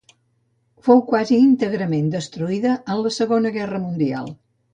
Fou quasi íntegrament destruïda en la Segona Guerra Mundial.